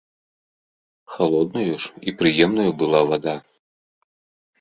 Халоднаю ж і прыемнаю была вада.